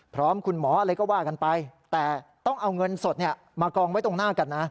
พร้อมคุณหมออะไรก็ว่ากันไปแต่ต้องเอาเงินสดมากองไว้ตรงหน้ากันนะ